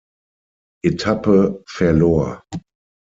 Etappe verlor.